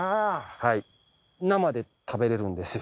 はい生で食べられるんですよ。